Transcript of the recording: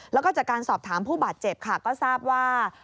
แล้วก็จากการสอบถามผู้บาดเจ็บค่ะก็ทราบว่า